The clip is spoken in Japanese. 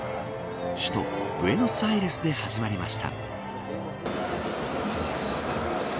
首都ブエノスアイレスで始まりました。